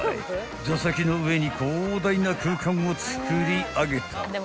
［座席の上に広大な空間を作り上げた］